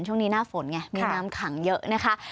ช่วงนี้หน้าฝนไงมีน้ำขังเยอะนะคะ